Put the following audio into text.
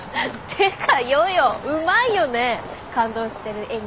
てか夜々うまいよね感動してる演技。